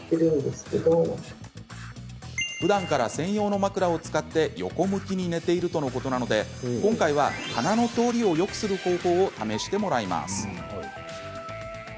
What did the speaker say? ふだんから専用の枕を使って横向きに寝ているとのことなので今回は、鼻の通りをよくする方法を試してもらいます。